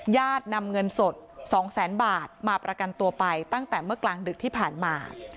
นำเงินสด๒แสนบาทมาประกันตัวไปตั้งแต่เมื่อกลางดึกที่ผ่านมา